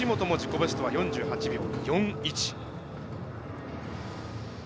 ベスト４８秒４１。